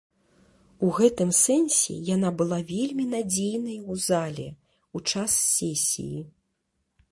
У гэтым сэнсе яна была вельмі надзейнай у зале, у час сесіі.